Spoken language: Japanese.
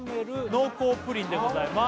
濃厚プリンでございます